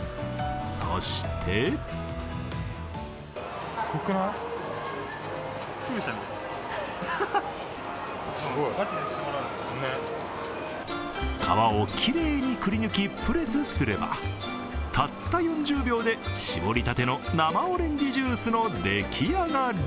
そして皮をきれいにくり抜き、プレスすれば、たった４０秒で絞りたての生オレンジジュースのできあがり。